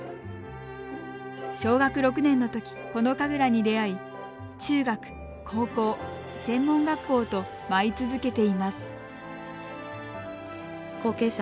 小学６年のときこの神楽に出会い中学、高校、専門学校と舞い続けています。